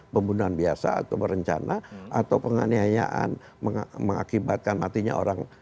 pembunuhan biasa atau berencana atau penganiayaan mengakibatkan matinya orang